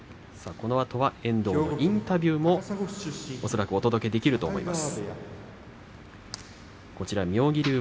このあとは遠藤のインタビューもお届けできると思います。